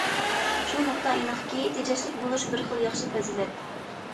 شۇ نۇقتا ئېنىقكى، تېجەشلىك بولۇش بىر خىل ياخشى پەزىلەت.